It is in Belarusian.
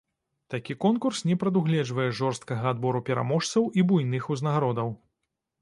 Такі конкурс не прадугледжвае жорсткага адбору пераможцаў і буйных узнагародаў.